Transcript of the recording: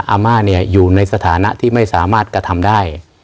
อาม่าเนี่ยอยู่ในสถานะที่ไม่สามารถกระทำได้